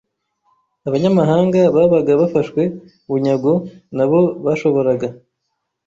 Abanyamahanga babaga bafashwe bunyago na bo bashoboraga